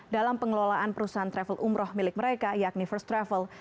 dalam pengelolaan perusahaan travel umroh milik mereka yakni first travel